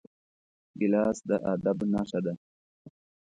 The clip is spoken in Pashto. ګیلاس د ادب نښه ده.